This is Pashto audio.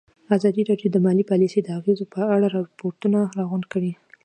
ازادي راډیو د مالي پالیسي د اغېزو په اړه ریپوټونه راغونډ کړي.